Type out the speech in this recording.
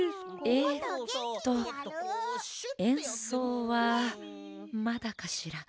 えっとえんそうはまだかしら？